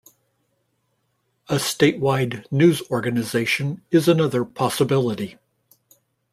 A state wide news organization is another possibility.